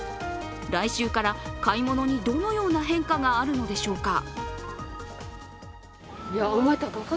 来週から買い物にどのような変化があるのでしょうか。